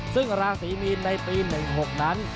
ซึ่งราศีมีนในปี๑๖นั้น